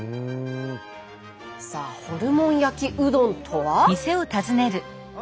さあホルモン焼きうどんとは？